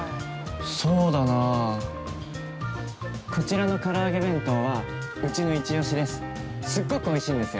そうだなこちらのから揚げ弁当は、うちのイチオシです。